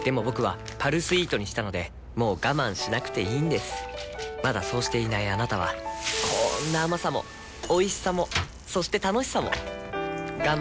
僕は「パルスイート」にしたのでもう我慢しなくていいんですまだそうしていないあなたはこんな甘さもおいしさもそして楽しさもあちっ。